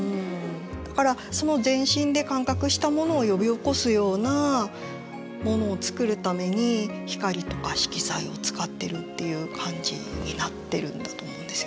だからその全身で感覚したものを呼び起こすようなものを作るために光とか色彩を使ってるっていう感じになってるんだと思うんですよね。